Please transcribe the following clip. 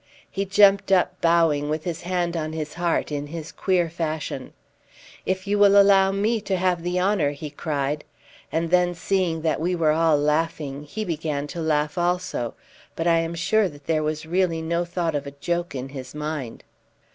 He jumped up, bowing, with his hand on his heart, in his queer fashion. "If you will allow me to have the honour!" he cried; and then seeing that we were all laughing, he began to laugh also, but I am sure that there was really no thought of a joke in his mind.